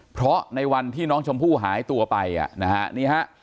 เพราะในวันที่น้องชมพู่หายตัวไปอ่ะนะฮะนี่ฮะ